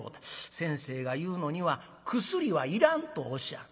先生が言うのには薬はいらんとおっしゃる。